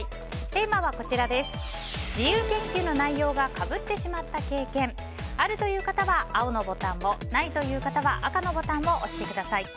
テーマは、自由研究の内容がかぶってしまった経験あるという方は青のボタンをないという方は赤のボタンを押してください。